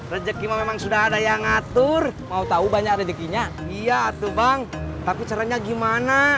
rezeki memang sudah ada yang ngatur mau tahu banyak rezekinya iya tuh bang tapi caranya gimana